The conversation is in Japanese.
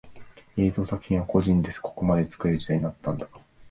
映像作品は個人でここまで作れる時代になったんだな